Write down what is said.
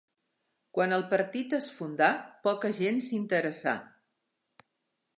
Quan el partit es fundà, poca gent s'hi interessà.